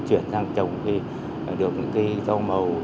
ta chuyển sang trồng được những cây rau màu